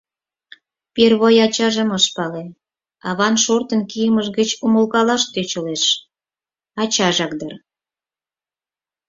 Первой ачажым ыш пале, аван шортын кийымыж гыч умылкалаш тӧчылеш: ачажак дыр.